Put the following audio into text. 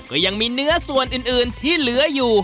ก็ยังมีเนื้อส่วนอื่นที่เหลืออยู่